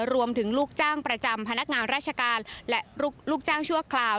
ลูกจ้างประจำพนักงานราชการและลูกจ้างชั่วคราว